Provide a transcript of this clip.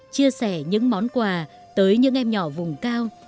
chia sẻ những món quà tới những em nhỏ vùng cao